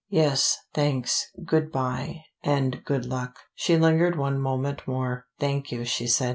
"Yes. Thanks. Good by. And good luck." She lingered one moment more. "Thank you," she said.